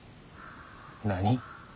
何？